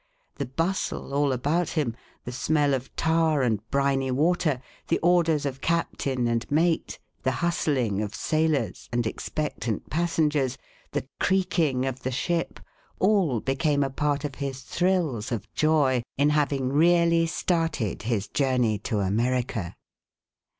The bustle all about him, the smell of tar and briny water, the orders of Captain and mate, the hustling of sailors, and expectant passengers, the creaking of the ship, all became a part of his thrills of joy in ha^dng really started his journey to America.